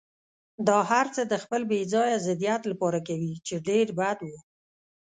دا هرڅه د خپل بې ځایه ضدیت لپاره کوي، چې ډېر بد و.